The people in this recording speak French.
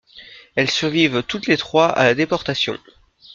Elles survivent toutes les trois à la déportation.